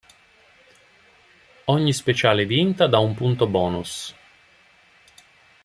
Ogni speciale vinta dà un punto bonus.